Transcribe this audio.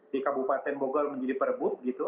di kabupaten bogor menjadi perbu